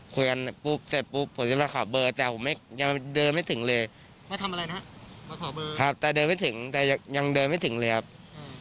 ครับแต่เดินไม่ถึงแต่ยังเดินไม่ถึงเลยครับ